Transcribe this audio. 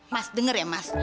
mas denger ya mas